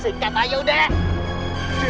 singkat aja udah